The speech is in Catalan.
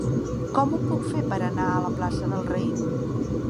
Com ho puc fer per anar a la plaça del Raïm?